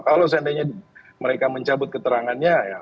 kalau seandainya mereka mencabut keterangannya ya